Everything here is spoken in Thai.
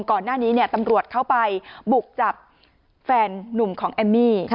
ก่อนหน้านี้ตำรวจเข้าไปบุกจับแฟนนุ่มของแอมมี่